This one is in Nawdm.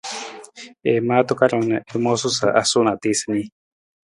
I maa takarang na i moosu sa a suu na a tiisa nii.